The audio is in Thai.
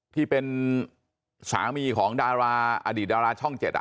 ที่เป็นสามีของดาราอดีตดาราช่อง๗